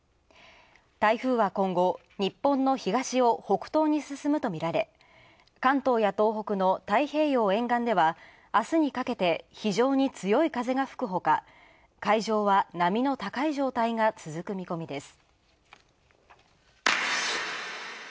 台風は今後、日本の東を北東に進むとみられ、関東や東北の太平洋沿岸ではあすにかけて非常に強い風が吹くほか、海上は波の高い状態が続く見込みです。